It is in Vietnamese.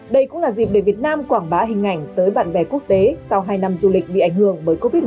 đây cũng là dịp để việt nam quảng bá hình ảnh tới bạn bè quốc tế sau hai năm du lịch bị ảnh hưởng bởi covid một mươi